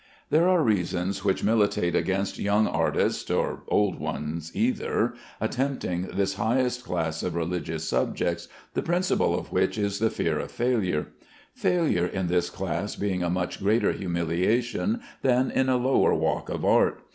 There are reasons which militate against young artists (or old ones either) attempting this highest class of religious subjects, the principal of which is the fear of failure; failure in this class being a much greater humiliation than in a lower walk of art.